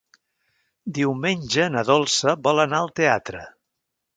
Diumenge na Dolça vol anar al teatre.